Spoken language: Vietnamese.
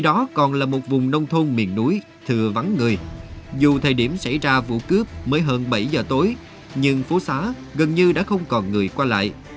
dù thời điểm xảy ra vụ cướp mới hơn bảy giờ tối nhưng phố xá gần như đã không còn người qua lại